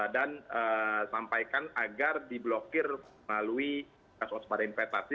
dan sampaikan agar diblokir melalui kesehatan pada investasi